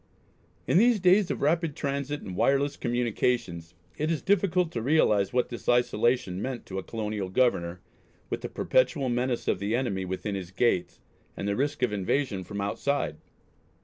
In these days of rapid transit and wireless communications, it is difficult to realise what this isolation meant to a colonial Governor, with the perpetual menace of the enemy within his gates, and the risk of invasion from outside.